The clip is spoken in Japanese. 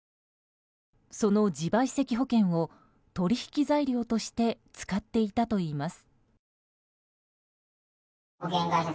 その自賠責保険を取引材料として使っていたといいます。